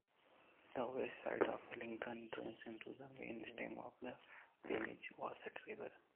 The west side of Lincoln drains into the main stem of the Pemigewasset River.